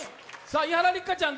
伊原六花ちゃん